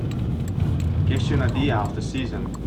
Gives you an idea of the season.